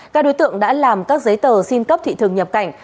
các đối tượng đã làm các giấy tờ xin cấp thị thường nhập cảnh